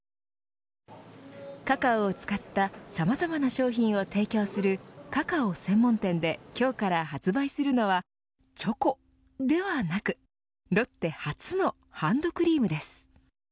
カカオを使ったさまざまな商品を提供するカカオ専門店で今日から発売するのはチョコではなくロッテ初のハンドクリームです。